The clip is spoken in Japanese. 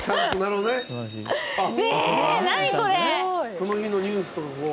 その日のニュースとかこう。